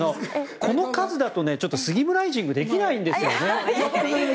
この数だとちょっとスギムライジングができないんですよね。